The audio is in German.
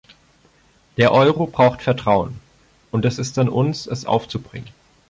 Der Euro braucht Vertrauen, und es ist an uns, es aufzubringen.